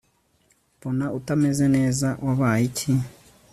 mbona utameze neza wabaye iki